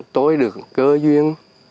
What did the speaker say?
tối được cơ duyên